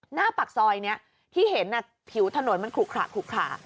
หน้าปากซอยนี้ที่เห็นผิวถนนมันขลุขระ